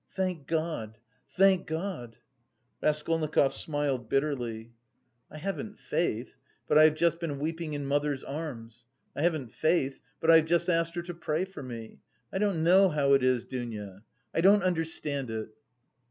Thank God, thank God!" Raskolnikov smiled bitterly. "I haven't faith, but I have just been weeping in mother's arms; I haven't faith, but I have just asked her to pray for me. I don't know how it is, Dounia, I don't understand it."